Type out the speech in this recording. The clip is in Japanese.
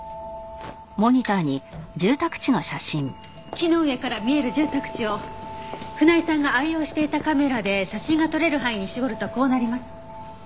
木の上から見える住宅地を船井さんが愛用していたカメラで写真が撮れる範囲に絞るとこうなります。